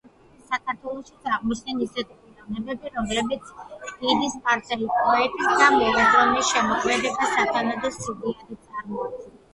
საქართველოშიც აღმოჩნდნენ ის პიროვნებები, რომლებმაც დიდი სპარსელი პოეტის და მოაზროვნის შემოქმედება სათანადო სიდიადით წარმოაჩინეს.